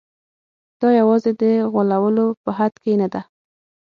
دا یوازې د غولولو په حد کې نه ده.